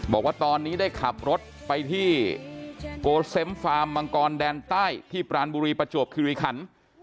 บอกว่าตอนนี้ได้ขับรถไปที่โกเซมฟาร์มมังกรแดนใต้ที่ปรานบุรีประจวบคิริขัน